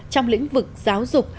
trong lĩnh vực giáo dục